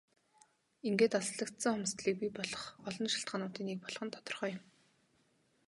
Ингээд алслагдал хомсдолыг бий болгох олон шалтгаануудын нэг болох нь тодорхой юм.